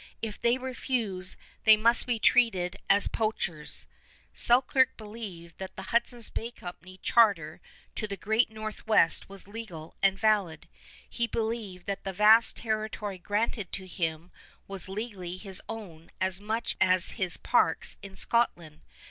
If they refuse, they must be treated as poachers_." Selkirk believed that the Hudson's Bay Company charter to the Great Northwest was legal and valid. He believed that the vast territory granted to him was legally his own as much as his parks in Scotland.